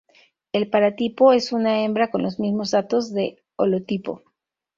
El paratipo es una hembra con los mismos datos del holotipo.